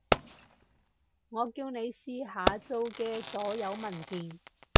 我叫你試下做嘅所有文件